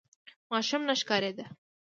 ماشوم نه ښکارېده.